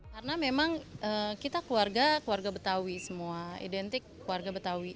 karena memang kita keluarga keluarga betawi semua identik keluarga betawi